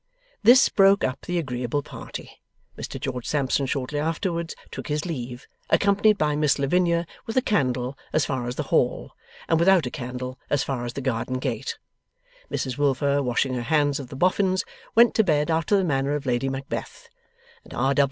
This broke up the agreeable party. Mr George Sampson shortly afterwards took his leave, accompanied by Miss Lavinia with a candle as far as the hall, and without a candle as far as the garden gate; Mrs Wilfer, washing her hands of the Boffins, went to bed after the manner of Lady Macbeth; and R.